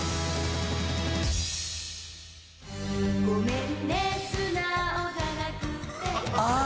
「ゴメンね素直じゃなくて」ああ！